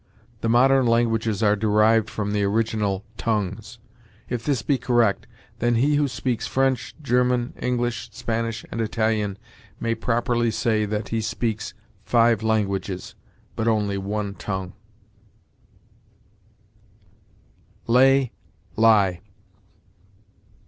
The modern languages are derived from the original tongues." If this be correct, then he who speaks French, German, English, Spanish, and Italian, may properly say that he speaks five languages, but only one tongue. LAY LIE.